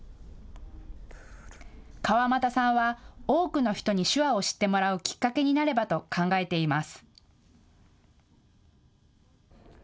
川俣さんは多くの人に手話を知ってもらうきっかけになればと考えています。